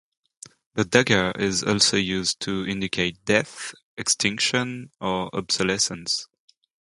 The dagger is also used to indicate death, extinction, or obsolescence.